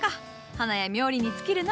花屋冥利に尽きるのう。